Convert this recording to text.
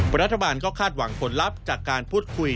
รัฐบาลก็คาดหวังผลลัพธ์จากการพูดคุย